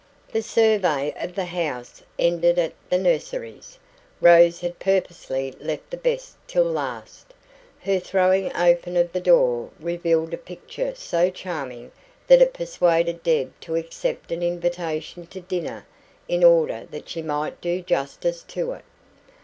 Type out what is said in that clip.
The survey of the house ended at the nurseries. Rose had purposely left the best till last. Her throwing open of the door revealed a picture so charming that it persuaded Deb to accept an invitation to dinner in order that she might do justice to it.